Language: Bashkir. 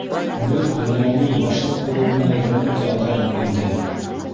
Беҙ Ғәлиәнең башлыҡ булыуына өйрәнеп тә алғайныҡ инде.